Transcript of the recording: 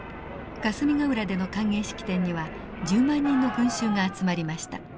霞ヶ浦での歓迎式典には１０万人の群衆が集まりました。